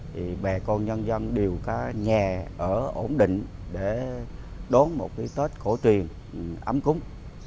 thì bà con nhân dân đều có nhà ở ổn định để đón một cái tết cổ truyền ấm cúng